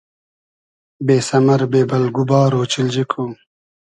بې سئمئر بې بئلگ و بار اۉچیلجی کو